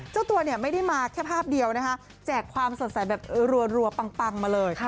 เจ้าตัวเนี่ยไม่ได้มาแค่ภาพเดียวนะคะแจกความสดใสแบบรัวปังมาเลย